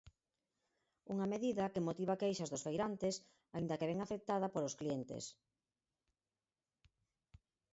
Unha medida que motiva queixas dos feirantes, aínda que ben aceptada polos clientes.